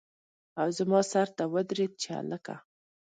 او زما سر ته ودرېد چې هلکه!